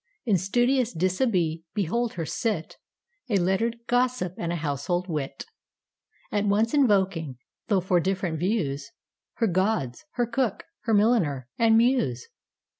In studious dishabille behold her sit,A lettered gossip and a household wit; At once invoking, though for different views, Her gods, her cook, her milliner, and muse.